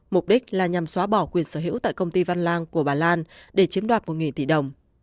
mục đích là nhằm xóa bỏ quyền sở hữu tại công ty văn lang của bà lan để chiếm đoạt một tỷ đồng